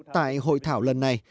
tại hội thảo lần này